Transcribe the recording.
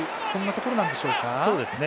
そんなところでしょうか？